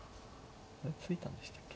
あれ突いたんでしたっけ。